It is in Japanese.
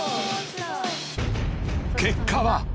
［結果は］